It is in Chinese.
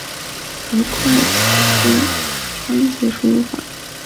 而快速仓颉输入法的用户也不会察觉仓颉输入法会妨碍他的打字速度。